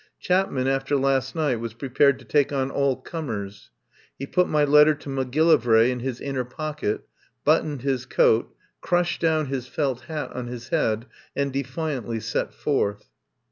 Chapman after last night was prepared to take on all comers. He put my letter to Macgillivray in his inner pocket, buttoned his coat, crushed down his felt hat on his head, and defiantly set forth.